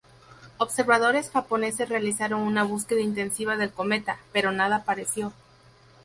Observadores japoneses realizaron una búsqueda intensiva del cometa, pero nada apareció.